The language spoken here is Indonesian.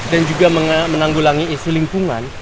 dan juga menanggulangi isu lingkungan